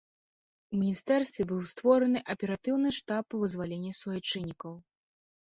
У міністэрстве быў створаны аператыўны штаб па вызваленні суайчыннікаў.